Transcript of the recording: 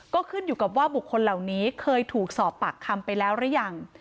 ก็ขึ้นอยู่กับว่าบุคคลเหล่านี้เคยถูกสอบปากคำไปแล้วหรือยัง